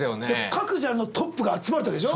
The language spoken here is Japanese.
各ジャンルのトップが集まるってわけでしょ？